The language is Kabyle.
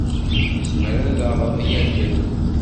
Yezmer ad aɣ-yalel?